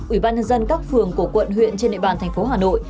ủy ban nhân dân các phường của quận huyện trên địa bàn thành phố hà nội